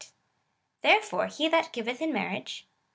Therefore lie that giveth in marriage.